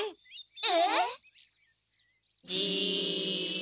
え